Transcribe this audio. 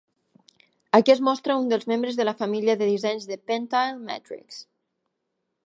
Aquí es mostra un dels membres de la família de dissenys de PenTile Matrix.